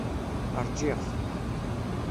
Ṛjiɣ-t.